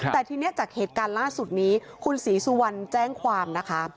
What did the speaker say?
แต่ทีนี้จากเหตุการณ์ล่าสุดนี้คุณศรีสุวรรณแจ้งความนะคะ